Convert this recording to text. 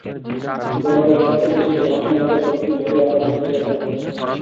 বলা যায়, প্রাচ্য দেশের রহস্যময়তার সবকিছুইতেই আমার অভিজ্ঞতা হয়েছে।